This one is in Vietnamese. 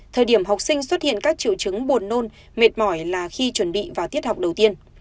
thời điểm học sinh xuất hiện các triệu chứng buồn nôn mệt mỏi là khi chuẩn bị vào tiết học đầu tiên